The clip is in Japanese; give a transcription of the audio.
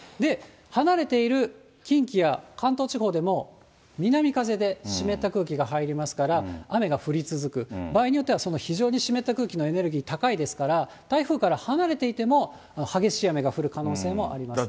離れている近畿や関東地方でも、南風で湿った空気が入りますから、雨が降り続く、場合によっては非常に湿った空気のエネルギー高いですから、台風から離れていても、激しい雨が降る可能性もあります。